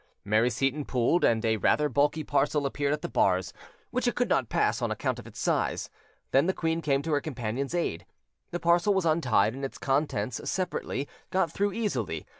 Mary Seyton pulled, and a rather bulky parcel appeared at the bars, which it could not pass on account of its size. Then the queen came to her companion's aid. The parcel was untied, and its contents, separately, got through easily.